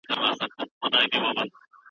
تکراري خبرې مه کوئ.